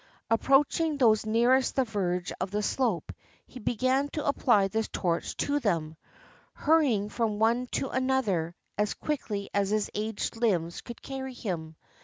Approaching those nearest the verge of the slope, he began to apply the torch to them, — hurrying from one to another as quickly as his aged limbs could carry him.